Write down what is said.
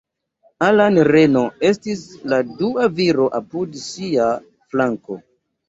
Alan Reno estis la dua viro apud ŝia flanko.